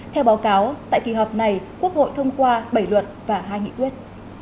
theo báo cáo tại kỳ họp này quốc hội thông qua bảy luật và hai nghị quyết